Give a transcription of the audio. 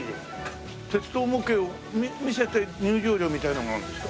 鉄道模型を見せて入場料みたいなのがあるんですか？